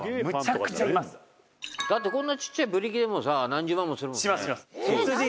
「だってこんなちっちゃいブリキでもさ何十万もするもんね」